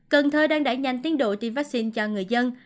cần thơ đang đẩy nhanh tiến độ tiêm vaccine cho người dân